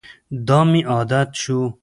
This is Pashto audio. دا مې عادت شو.